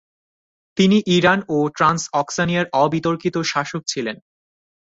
তিনি ইরান ও ট্রান্সঅক্সানিয়ার অবিতর্কিত শাসক ছিলেন।